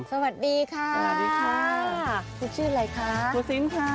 สวัสดีค่ะสวัสดีค่ะชื่ออะไรคะครูซิมค่ะ